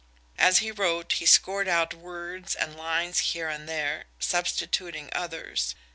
As he wrote, he scored out words and lines here and there, substituting others.